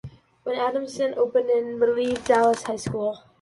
When Adamson opened it relieved Dallas High School.